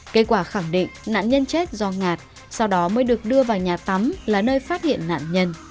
kết quả khẳng định nạn nhân chết do ngạt sau đó mới được đưa vào nhà tắm là nơi phát hiện nạn nhân